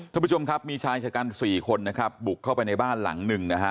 ท่านผู้ชมครับมีชายชะกันสี่คนนะครับบุกเข้าไปในบ้านหลังหนึ่งนะฮะ